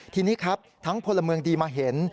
ทีนี้ครับทั้งพลเมืองดีมาเห็น